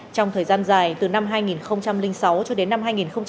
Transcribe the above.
trong thời gian dài từ năm hai nghìn sáu cho đến năm hai nghìn một mươi